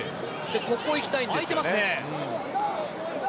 ここに行きたいんですよね。